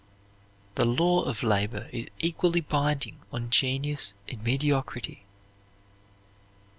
The law of labor is equally binding on genius and mediocrity.